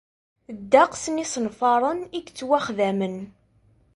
Ddeqs n yisenfaren i yettwaxdamen.